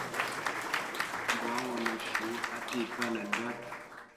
Mbwâ ŋo məshwɔ̌ á té pə nəndwə́t.